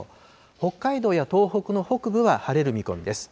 北海道や東北の北部は晴れる見込みです。